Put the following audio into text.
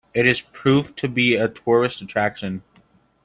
It has proved to be a tourist attraction.